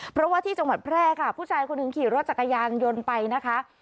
เพราะว่าที่จังหวัดแพร่ค่ะผู้ชายคนหนึ่งขี่รถจักรยานยนต์ไปนะคะ